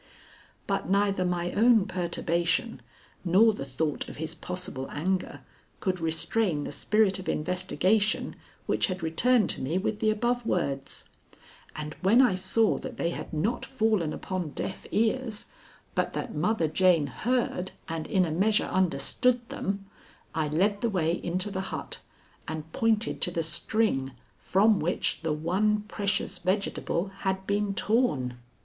But neither my own perturbation nor the thought of his possible anger could restrain the spirit of investigation which had returned to me with the above words; and when I saw that they had not fallen upon deaf ears, but that Mother Jane heard and in a measure understood them, I led the way into the hut and pointed to the string from which the one precious vegetable had been torn.